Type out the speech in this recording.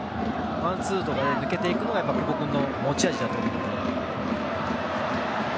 ワンツーとかで抜けていくのが久保君の持ち味だと思うので。